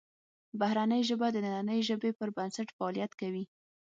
بهرنۍ ژبه د دنننۍ ژبې پر بنسټ فعالیت کوي